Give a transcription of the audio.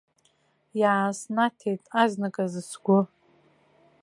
Иааснаҭеит азныказ сгәы.